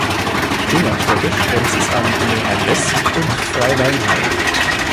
Innerstädtisch grenzt es an Ingelheim-West und Frei-Weinheim.